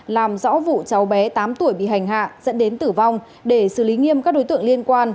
làm rõ vụ cháu bé tám tuổi bị hành hạ dẫn đến tử vong để xử lý nghiêm các đối tượng liên quan